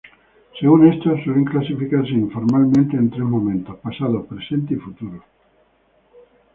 Según esto, suelen clasificarse informalmente en tres momentos: pasado, presente y futuro.